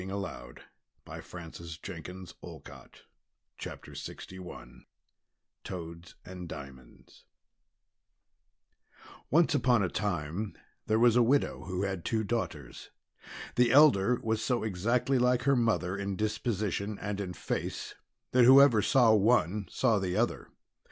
Madame Le Prince de Beaumont (After Miss Mulock) TOADS AND DIAMONDS Once upon a time there was a widow who had two daughters. The elder was so exactly like her mother in disposition and in face that whoever saw one, saw the other.